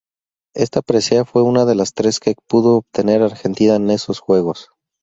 Esta presea fue una de las tres que pudo obtener Argentina en esos Juegos.